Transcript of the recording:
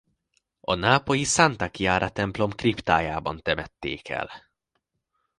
A nápolyi Santa Chiara templom kriptájában temették el.